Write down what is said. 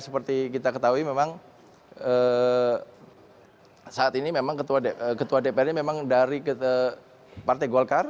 seperti kita ketahui memang saat ini memang ketua dpr nya memang dari partai golkar